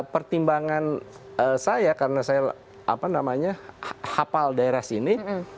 pertimbangan saya karena saya apa namanya hafal daerah sini